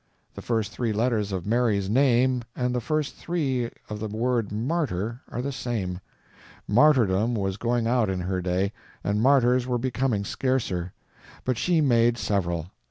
The first three letters of Mary's name and the first three of the word martyr are the same. Martyrdom was going out in her day and martyrs were becoming scarcer, but she made several.